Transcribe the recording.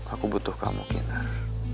aku butuh kamu kinar